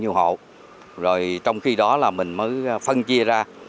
giúp được cặn ng learning achieve